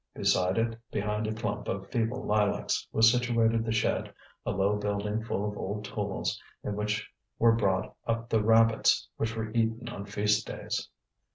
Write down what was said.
Beside it, behind a clump of feeble lilacs, was situated the shed, a low building full of old tools, in which were brought up the rabbits which were eaten on feast days.